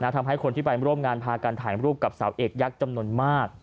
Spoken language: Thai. ทำให้คนที่ไปร่วมงานพากันถ่ายรูปกับสาวเอกยักษ์จำนวนมาก